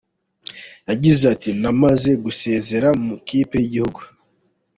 Yagize ati “Namaze gusezera mu ikipe y’igihugu.